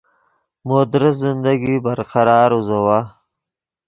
مو درست زندگی برقرار اوزوّا